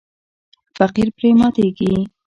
فقیر پرې ماتیږي.